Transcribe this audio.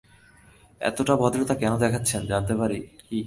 এতটা ভদ্রতা কেন দেখাচ্ছেন জানতে পারি কি?